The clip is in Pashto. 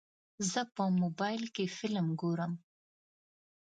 زه په موبایل کې فلم ګورم.